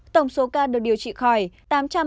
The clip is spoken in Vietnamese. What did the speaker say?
tổng số ca